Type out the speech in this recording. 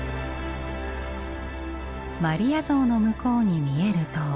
マリア像の向こうに見える塔。